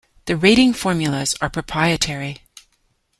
The ratings formulas are proprietary.